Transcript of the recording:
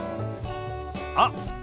あっ！